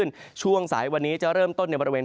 ในภาคฝั่งอันดามันนะครับ